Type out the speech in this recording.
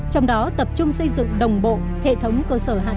trong đó tập trung xây dựng đồng bộ hệ thống cơ sở hạng